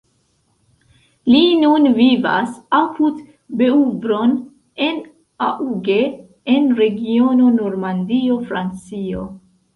Li nun vivas apud Beuvron-en-Auge, en regiono Normandio, Francio.